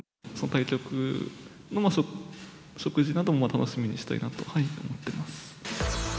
対局中の食事なども楽しみにしたいなと思ってます。